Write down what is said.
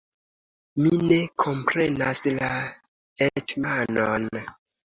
Mi ne komprenas la hetmanon.